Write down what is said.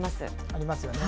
ありますよね。